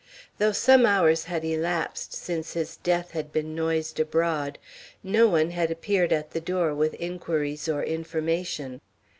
Though some hours had elapsed since his death had been noised abroad, no one had appeared at the door with inquiries or information.